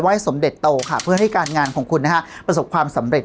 สมเด็จโตค่ะเพื่อให้การงานของคุณนะฮะประสบความสำเร็จ